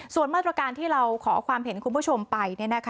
ส่วนมาตรการที่เราขอความเห็นคุณผู้ชมไป